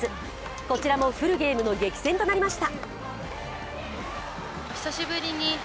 こちらもフルゲームの激戦となりました。